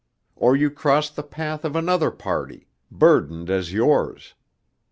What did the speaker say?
Or you cross the path of another party, burdened as yours.